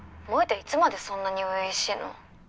いつまでそんなに初々しいの？